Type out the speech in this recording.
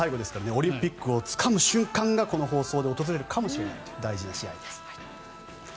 オリンピックをつかみ取る瞬間がこの放送で訪れるかもしれないという大事な試合です。